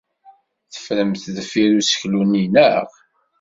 Teffremt deffir useklu-nni, naɣ?